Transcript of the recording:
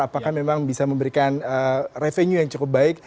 apakah memang bisa memberikan revenue yang cukup baik